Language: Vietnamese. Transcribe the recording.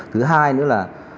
thứ hai nữa là